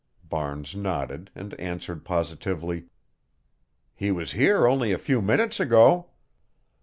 Barnes nodded and answered positively: "He was here only a few minutes ago."